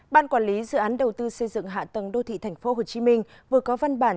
ban quản lý dự án đầu tư xây dựng hạ tầng đô thị tp hcm vừa có văn bản